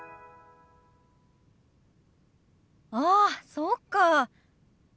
ああそうか。